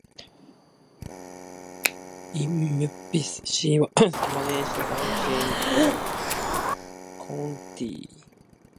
In Memphis, she was managed by Jim Cornette.